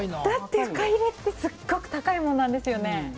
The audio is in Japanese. だってフカヒレってすっごく高いものなんですよね？